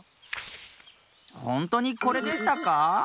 ほんとにこれでしたか？